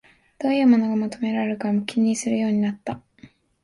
どういうものが求められるか気にするようになった